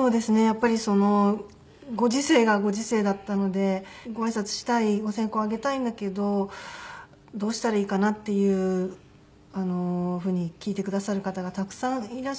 やっぱりご時世がご時世だったのでご挨拶したいお線香をあげたいんだけどどうしたらいいかなっていうふうに聞いてくださる方がたくさんいらっしゃったんですけど。